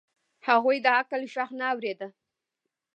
هغوی د عقل غږ نه اورېد.